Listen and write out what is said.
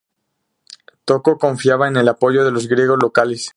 Tocco confiaba en el apoyo de los griegos locales.